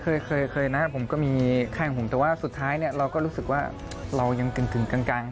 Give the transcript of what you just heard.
เคยเคยนะผมก็มีแข้งผมแต่ว่าสุดท้ายเนี่ยเราก็รู้สึกว่าเรายังกึ่งกลาง